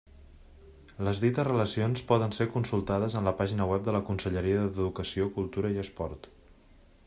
Les dites relacions poden ser consultades en la pàgina web de la Conselleria d'Educació, Cultura i Esport.